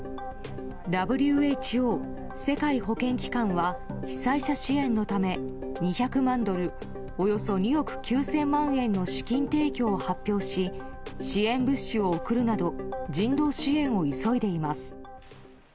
ＷＨＯ・世界保健機関は被災者支援のため２００万ドルおよそ２億９０００万円の資金提供を発表し支援物資を送るなど人道支援を急いでいます。